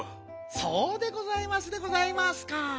そうでございますでございますか。